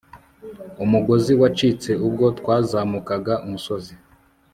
umugozi wacitse ubwo twazamukaga umusozi